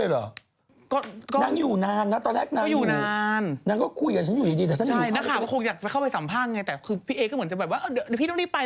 อะไรอย่างนี้ฮะน้องใหม่ก็ยืนสัมภาษณ์อีกมุมด้วยแบบว่าต้องยิ้มสวยไว้